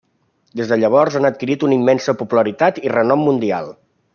Des de llavors han adquirit una immensa popularitat i renom mundial.